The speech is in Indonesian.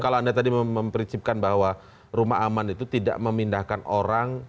kalau anda tadi memperincipkan bahwa rumah aman itu tidak memindahkan orang